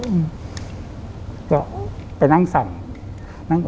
ผมก็ไปนั่งสั่ง